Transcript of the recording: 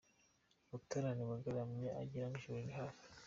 Utaranigwa agaramye agirango ijuru riri hafi.